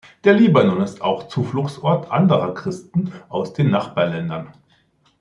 Der Libanon ist auch Zufluchtsort anderer Christen aus den Nachbarländern.